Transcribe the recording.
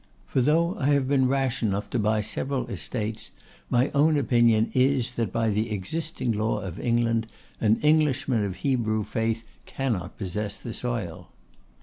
for though I have been rash enough to buy several estates, my own opinion is, that, by the existing law of England, an Englishman of Hebrew faith cannot possess the soil.